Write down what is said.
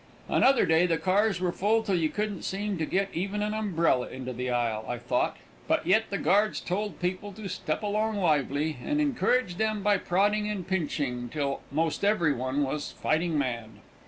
Another day the cars were full till you couldn't seem to get even an umbrella into the aisle, I thought, but yet the guards told people to step along lively, and encouraged them by prodding and pinching till most everybody was fighting mad.